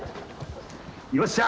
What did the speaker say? よっしゃ！